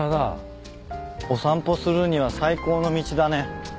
お散歩するには最高の道だね。